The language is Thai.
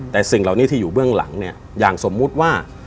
แต่สิ่งเหล่านี้ที่อยู่เบื้องหลังเนี่ยอย่างสมมุติว่า